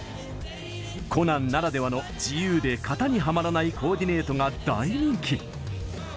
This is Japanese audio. コナンならではの自由で型にはまらないコーディネートが大人気。